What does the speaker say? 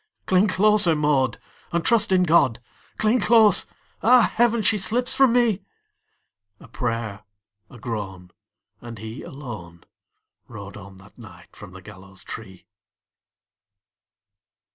"Cling closer, Maud, and trust in God! Cling close! Ah, heaven, she slips from me!" A prayer, a groan, and he alone Rode on that night from the gallows tree.